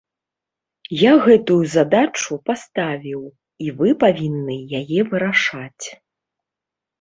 Я гэтую задачу паставіў, і вы павінны яе вырашаць.